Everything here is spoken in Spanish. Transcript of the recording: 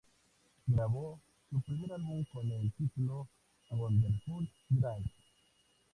Grabó su primer álbum con el título "Wonderful Grace".